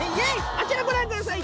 あちらご覧ください！